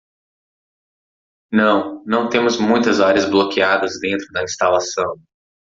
Não, não temos muitas áreas bloqueadas dentro da instalação.